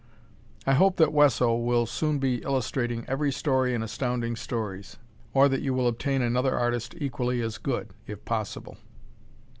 I hope that Wesso will soon be illustrating every story in Astounding Stories, or that you will obtain another artist equally as good (if possible).